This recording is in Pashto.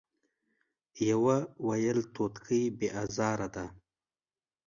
يوه ويل توتکۍ بې ازاره ده ،